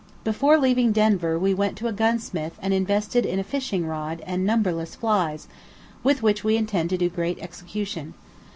Before leaving Denver we went to a gunsmith and invested in a fishing rod and numberless flies, with which we intend to do great execution.